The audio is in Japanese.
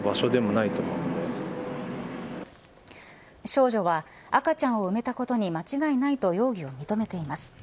少女は赤ちゃんを埋めたことに間違いないと容疑を認めています。